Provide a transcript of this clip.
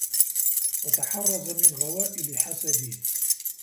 وَتَحَرَّزَ مِنْ غَوَائِلِ حَسَدِهِ